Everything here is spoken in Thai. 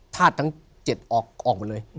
ถ้าทั้ง๗ออกไปเลย